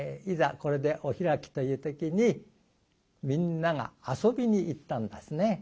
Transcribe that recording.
これでお開きという時にみんなが遊びに行ったんですね。